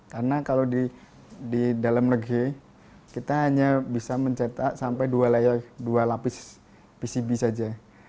karena kalau di dalam negeri kita hanya bisa mencetak sampai dua lapis pcb saja